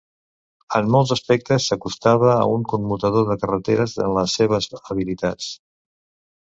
En molts aspectes, s'acostava a un commutador de carreteres en les seves habilitats.